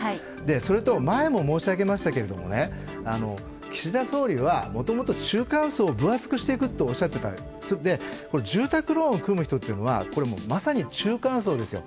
それと、前も申し上げましたけれども岸田総理はもともと中間層を分厚くしていくとおっしゃってたんで、住宅ローンを組む人っていうのはまさに中間層ですよ。